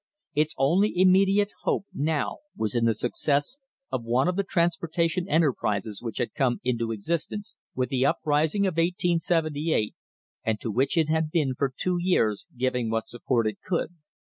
Its only immediate hope now was in the success of one of the transportation enterprises which had come into existence with the uprising of 1878 and THE HISTORY OF THE STANDARD OIL COMPANY » to which it had been for two years giving what support it could.